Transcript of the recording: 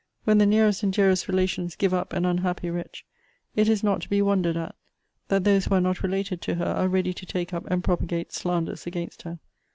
When the nearest and dearest relations give up an unhappy wretch, it is not to be wondered at that those who are not related to her are ready to take up and propagate slanders against her.